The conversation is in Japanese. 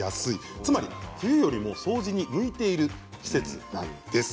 つまり冬よりも掃除にむいてる季節なんです。